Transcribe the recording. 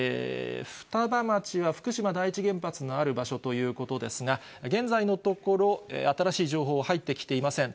双葉町は福島第一原発のある場所ということですが、現在のところ、新しい情報、入ってきていません。